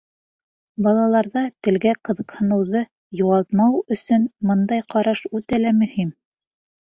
Балаларҙа телгә ҡыҙыҡһыныуҙы юғалтмау өҫөн бындай ҡараш үтә лә мөһим.